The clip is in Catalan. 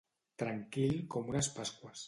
Tranquil com unes pasqües.